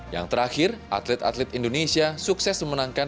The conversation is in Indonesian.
yang terakhir atlet atlet indonesia sukses memenangkan